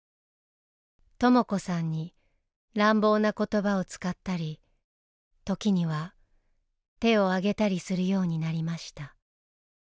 とも子さんに乱暴な言葉を使ったり時には手をあげたりするようになりました。